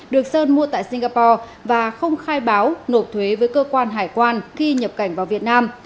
được sơn mua tại singapore và không khai báo nộp thuế với cơ quan hải quan khi nhập cảnh vào việt nam